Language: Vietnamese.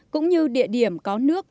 cũng như địa điểm có nước